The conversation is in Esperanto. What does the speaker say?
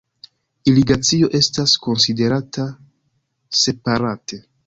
Irigacio estas konsiderata separate.